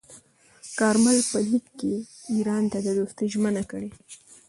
کارمل په لیک کې ایران ته د دوستۍ ژمنه کړې.